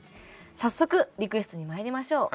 早速リクエストにまいりましょう。